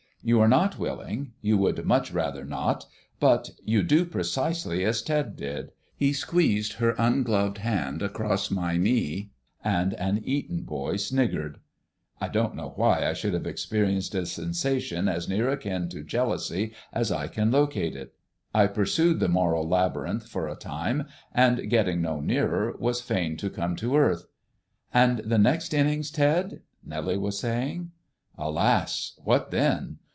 You are not willing; you would much rather not; but you do precisely as Ted did; he squeezed her ungloved hand across my knee, and an Eton boy sniggered. I don't know why I should have experienced a sensation as near akin to jealousy as I can locate it. I pursued the moral labyrinth for a time, and, getting no nearer, was fain to come to earth. "And the next innings, Ted " Nellie was saying. Alas! What then?